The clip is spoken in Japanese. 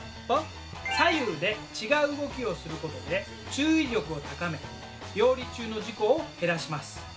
左右で違う動きをすることで注意力を高め料理中の事故を減らします。